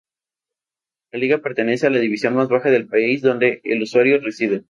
Esta liga pertenece a la división más baja del país donde el usuario reside.